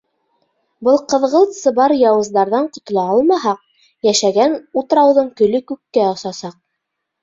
Был ҡыҙғылт-сыбар яуыздарҙан ҡотола алмаһаҡ, йәшәгән утрауҙың көлө күккә осасаҡ.